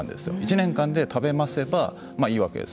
１年間で食べればいいわけです。